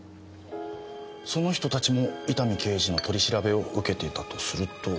その人たちも伊丹刑事の取り調べを受けていたとすると。